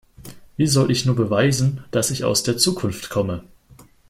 Wie soll ich nur beweisen, dass ich aus der Zukunft komme?